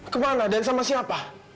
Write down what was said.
kemana dan sama siapa